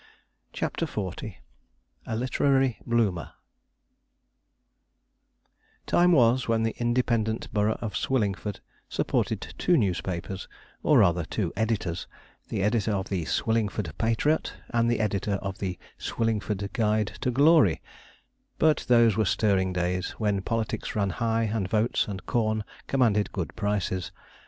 CHAPTER XL A LITERARY BLOOMER Time was when the independent borough of Swillingford supported two newspapers, or rather two editors, the editor of the Swillingford Patriot, and the editor of the Swillingford Guide to Glory; but those were stirring days, when politics ran high and votes and corn commanded good prices.